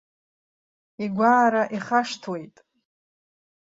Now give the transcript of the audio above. Игәаара ихашҭуеит.